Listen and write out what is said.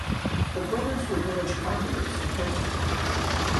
The brothers were village carpenters in Teufen.